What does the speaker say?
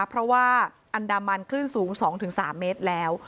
เพราะว่าอันดามันคลื่นสูง๒๓เมตรแล้ว